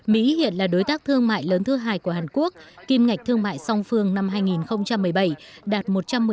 mỹ hiện là đối tác thương mại lớn thứ hai của hàn quốc kim ngạch thương mại song phương năm hai nghìn một mươi bảy đạt